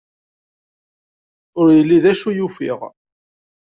Ur yelli d acu i ufiɣ.